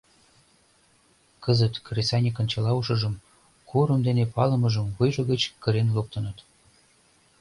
Кызыт кресаньыкын чыла ушыжым, курым дене палымыжым вуйжо гыч кырен луктыныт.